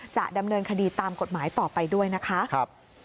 จะดำเนินคดีตามกฎหมายต่อไปด้วยนะคะ